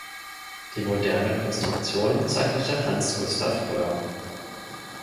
Die moderne Konstruktion zeichnete Hans Gustav Röhr.